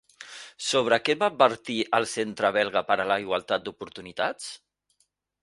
Sobre què va advertir el Centre belga per a la Igualtat d'Oportunitats?